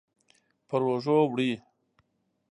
پر اوږو وړي